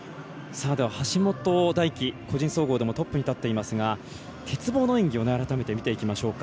橋本大輝、個人総合でもトップに立っていますが鉄棒の演技を改めて見ていきましょう。